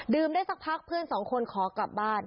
ได้สักพักเพื่อนสองคนขอกลับบ้าน